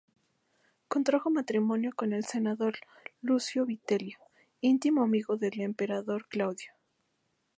Contrajo matrimonio con el senador Lucio Vitelio, íntimo amigo del emperador Claudio.